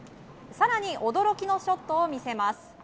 更に驚きのショットを見せます。